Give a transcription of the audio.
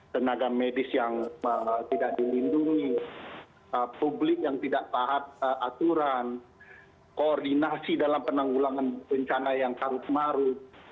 tenaga medis yang tidak dilindungi publik yang tidak taat aturan koordinasi dalam penanggulangan bencana yang karut marut